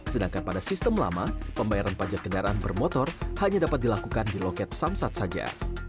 sedangkan pada sistem lama pembayaran pajak kendaraan bermotor hanya dapat dilakukan di loket samsat saja